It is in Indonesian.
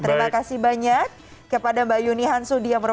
terima kasih banyak kepada mbak yuni hansudi